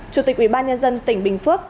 chủ tịch ủy ban nhân dân tỉnh bình phước